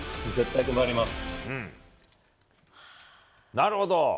なるほど。